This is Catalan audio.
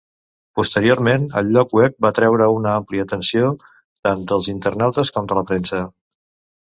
Posteriorment, el lloc web va atreure una àmplia atenció, tant dels internautes com de la premsa.